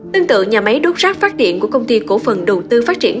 tương tự nhà máy đốt rác phát điện của công ty cổ phần đầu tư phát triển